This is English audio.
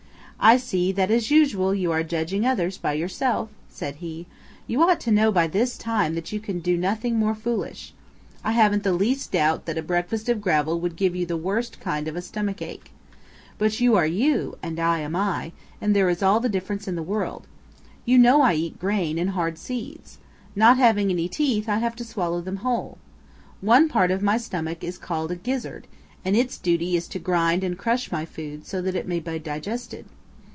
"I see that as usual you are judging others by yourself," said he. "You ought to know by this time that you can do nothing more foolish. I haven't the least doubt that a breakfast of gravel would give you the worst kind of a stomach ache. But you are you and I am I, and there is all the difference in the world. You know I eat grain and hard seeds. Not having any teeth I have to swallow them whole. One part of my stomach is called a gizzard and its duty is to grind and crush my food so that it may be digested.